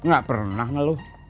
gak pernah ngeluh